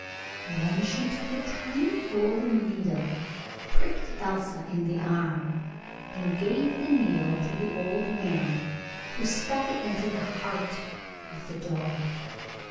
Then she took a tiny golden needle, pricked Elsa in the arm, and gave the needle to the old man, who stuck it into the heart of the doll.